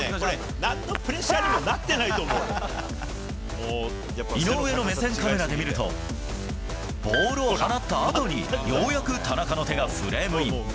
なんのプレッシャーにもなっ井上の目線カメラで見ると、ボールを放ったあとに、ようやく田中の手がフレームイン。